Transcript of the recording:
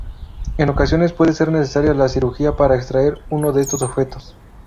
En ocasiones puede ser necesaria la cirugía para extraer uno de estos objetos.